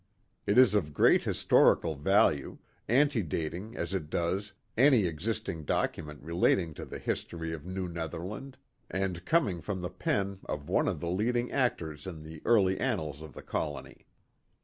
It is of great historical value, antedating as it does any existing document relating to the history of New Netherland, and coming from the pen of one of the leading actors in the early annals of the colony.